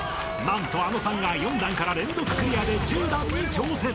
［何とあのさんが４段から連続クリアで１０段に挑戦］